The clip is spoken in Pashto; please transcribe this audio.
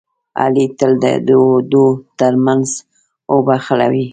علي تل د دوو ترمنځ اوبه خړوي.